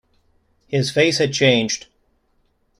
His face had changed.